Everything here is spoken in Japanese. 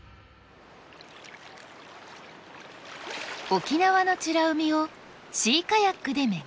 沖縄の美ら海をシーカヤックで巡る旅。